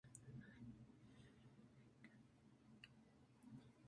Sin embargo, la elección fue caracterizada por un masivo fraude.